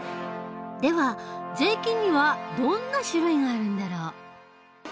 では税金にはどんな種類があるんだろう？